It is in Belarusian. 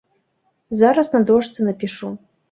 Зараз на дошцы напішу!